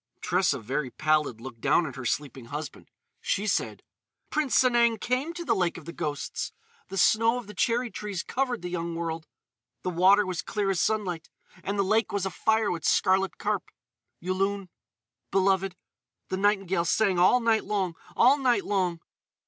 Tressa, very pallid, looked down at her sleeping husband. She said: "Prince Sanang came to the Lake of the Ghosts. The snow of the cherry trees covered the young world. "The water was clear as sunlight; and the lake was afire with scarlet carp.... Yulun—beloved—the nightingale sang all night long—all night long....